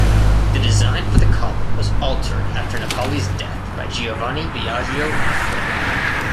The design for the column was altered after Napoli's death by Giovanni Biagio Amico.